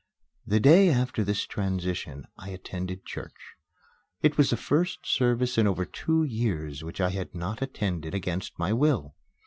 The day after this transition I attended church. It was the first service in over two years which I had not attended against my will.